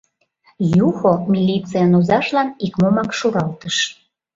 — Юхо милицийын озажлан икмомак шуралтыш.